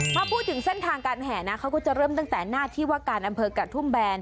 พอพูดถึงเส้นทางการแห่นะเขาก็จะเริ่มตั้งแต่หน้าที่ว่าการอำเภอกระทุ่มแบน